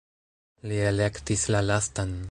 Li elektis la lastan.